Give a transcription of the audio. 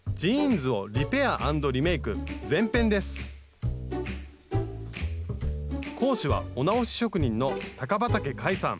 今回は講師はお直し職人の高畠海さん。